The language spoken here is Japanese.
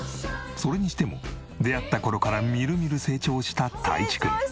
それにしても出会った頃からみるみる成長したたいちくん。